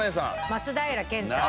松平健さん。